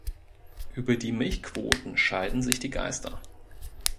Über die Milchquoten scheiden sich die Geister.